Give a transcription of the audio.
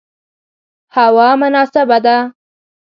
هوا مناسبه ده